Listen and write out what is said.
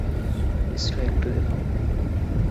মিশ্রা, একটু দেখো।